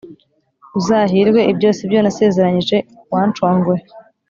Uzahirwe ibyo sibyo nasezeranyije uwancunguye